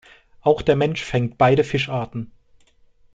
Auch der Mensch fängt beide Fischarten.